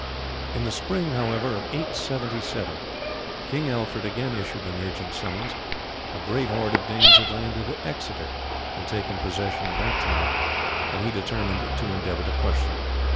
In the spring, however, of 877 King Alfred again issued an urgent summons. A great horde of Danes had landed at Exeter and taken possession of that town, and he determined to endeavour to crush them.